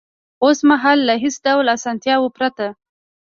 اوس مهال له هېڅ ډول اسانتیاوو پرته